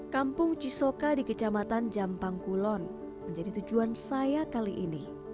kampung cisoka di kecamatan jampangkulon menjadi tujuan saya kali ini